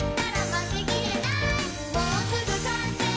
「もうすぐかんせい！